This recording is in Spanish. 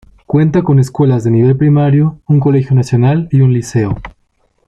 Cuenta con escuelas de nivel primario, un Colegio Nacional y un liceo.